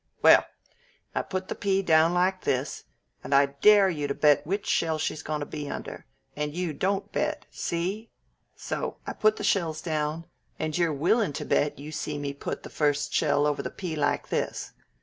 "Well, I put the pea down like this, and I dare you to bet which shell she's goin' to be under, and you don't bet, see? So I put the shells down, and you're willin' to bet you see me put the first shell over the pea like this.